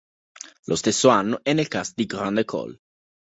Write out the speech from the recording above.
Lo stesso anno è nel cast di "Grande École".